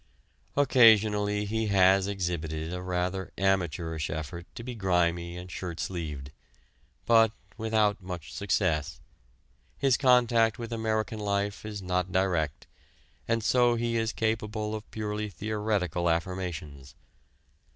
Occasionally he has exhibited a rather amateurish effort to be grimy and shirt sleeved. But without much success: his contact with American life is not direct, and so he is capable of purely theoretical affirmations.